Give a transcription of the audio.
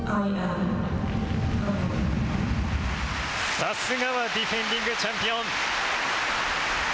さすがはディフェンディングチャンピオン。